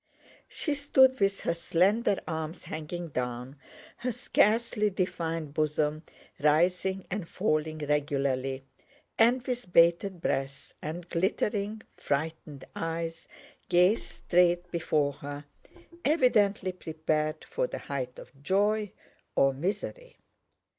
She stood with her slender arms hanging down, her scarcely defined bosom rising and falling regularly, and with bated breath and glittering, frightened eyes gazed straight before her, evidently prepared for the height of joy or misery.